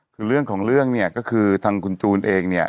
คือเรื่องของเรื่องเนี่ยก็คือทางคุณจูนเองเนี่ย